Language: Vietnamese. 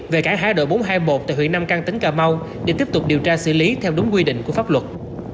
về cảng hải đội bốn trăm hai mươi một tại huyện nam căn tỉnh cà mau để tiếp tục điều tra xử lý theo đúng quy định của pháp luật